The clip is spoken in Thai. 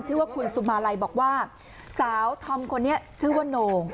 ชื่อว่าคุณสุมาลัยบอกว่าสาวธอมคนนี้ชื่อว่าโน่ง